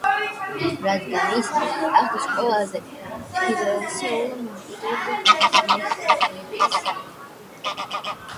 რადგან ის ტახტის ყველაზე ღირსეულ მემკვიდრედ მეჰმედს თვლიდა.